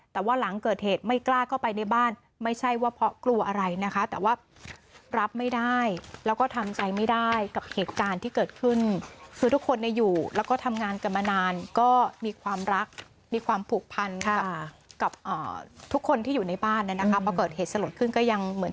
แต่ว่าหลังเกิดเหตุไม่กล้าเข้าไปในบ้านไม่ใช่ว่าเพราะกลัวอะไรนะคะแต่ว่ารับไม่ได้แล้วก็ทำใจไม่ได้กับเหตุการณ์ที่เกิดขึ้น